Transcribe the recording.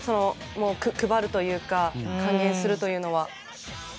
配るというか還元するというのは。